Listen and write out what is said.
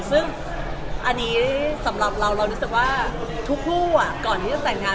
ซึ่งอันนี้สำหรับเราเรารู้สึกว่าทุกคู่ก่อนที่จะแต่งงาน